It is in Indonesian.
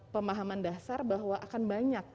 pemahaman dasar bahwa akan banyak